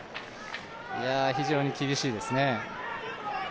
非常に厳しいですね。